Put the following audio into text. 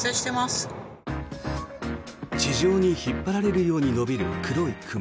地上に引っ張られるように延びる黒い雲。